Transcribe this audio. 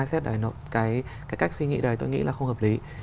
cái cách suy nghĩ này tôi nghĩ là không hợp lý